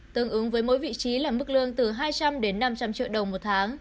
tương ứng với mỗi vị trí là mức lương từ hai trăm linh đến năm trăm linh triệu đồng một tháng